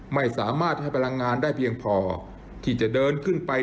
ไม่สามารถให้พลังงานได้เพียงพอที่จะเดินขึ้นไป